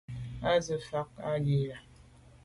À se’ mfà nkàb i yi.